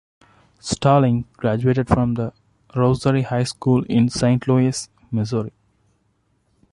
Stallings graduated from Rosary High School in Saint Louis, Missouri.